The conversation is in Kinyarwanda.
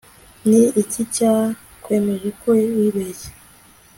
Ni iki cyakwemeje ko wibeshye